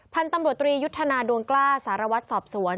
พันธุ์ตำรวจตรียุทธนาดวงกล้าสารวัตรสอบสวน